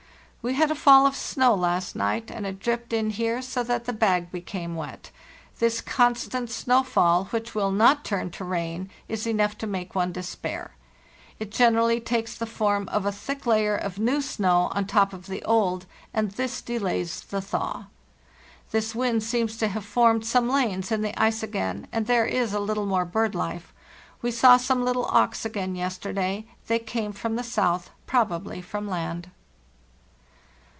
"We had a fall of snow last night, and it dripped tn here so that the bag became wet. This constant snow fall, which will not turn to rain, is enough to make one despair. It generally takes the form of a thick layer of new snow on the top of the old, and this delays the thaw. "This wind seems to have formed some lanes in the ice again, and there is a little more bird life. We saw some little auks again yesterday; they came from the south, probably from land.